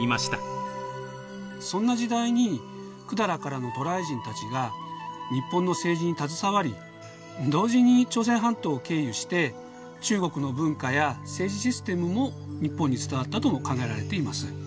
そんな時代に百済からの渡来人たちが日本の政治に携わり同時に朝鮮半島を経由して中国の文化や政治システムも日本に伝わったとも考えられています。